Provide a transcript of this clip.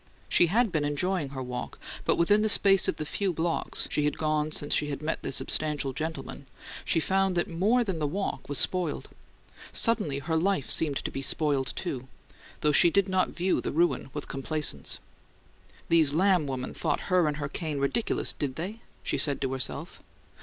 She had been enjoying her walk, but within the space of the few blocks she had gone since she met the substantial gentleman, she found that more than the walk was spoiled: suddenly her life seemed to be spoiled, too; though she did not view the ruin with complaisance. These Lamb women thought her and her cane ridiculous, did they? she said to herself.